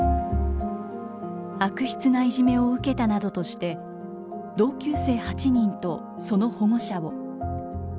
悪質ないじめを受けたなどとして同級生８人とその保護者を。